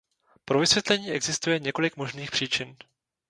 Pro vysvětlení existuje několik možných příčin.